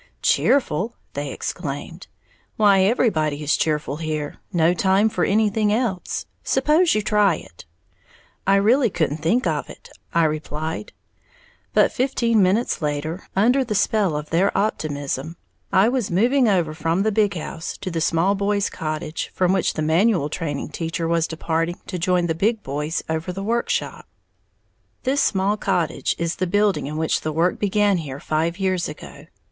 "Cheerful!" they exclaimed, "why, everybody is cheerful here, no time for anything else! Suppose you try it!" "I really couldn't think of it," I replied; but, fifteen minutes later, under the spell of their optimism, I was moving over from the big house to the small boys' cottage, from which the manual training teacher was departing to join the big boys over the workshop. This small cottage is the building in which the work began here five years ago.